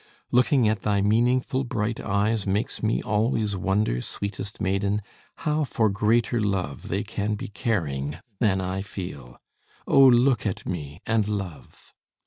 Looking at thy meaningful bright eyes Makes me always wonder, sweetest maiden, How for greater love they can be caring Than I feel. Oh, look at me, and love!